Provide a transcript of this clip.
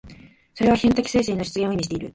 それは批判的精神の出現を意味している。